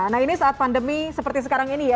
nah ini saat pandemi seperti sekarang ini ya